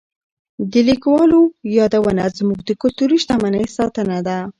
د لیکوالو یادونه زموږ د کلتوري شتمنۍ ساتنه ده.